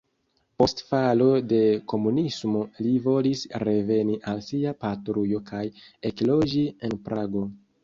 Post falo de komunismo li volis reveni al sia patrujo kaj ekloĝi en Prago.